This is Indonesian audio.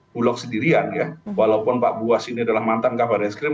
bulog sendirian ya walaupun pak buas ini adalah mantan kabar eskrim